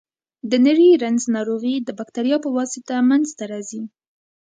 د نري رنځ ناروغي د بکتریا په واسطه منځ ته راځي.